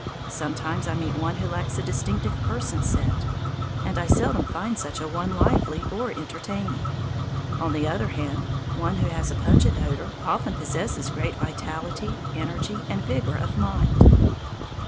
Sometimes I meet one who lacks a distinctive person scent, and I seldom find such a one lively or entertaining. On the other hand, one who has a pungent odour often possesses great vitality, energy, and vigour of mind.